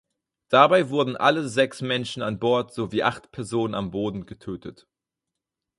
Dabei wurden alle sechs Menschen an Bord sowie acht Personen am Boden getötet.